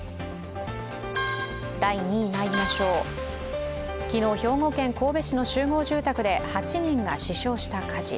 第２位、昨日兵庫県神戸市の集合住宅で８人が死傷した火事。